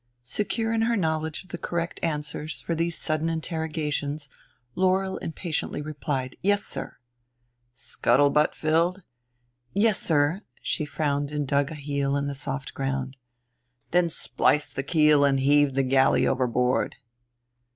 Secure in her knowledge of the correct answers for these sudden interrogations Laurel impatiently replied, "Yes, sir." "Scuttle butt filled?" "Yes, sir." She frowned and dug a heel in the soft ground. "Then splice the keel and heave the galley overboard."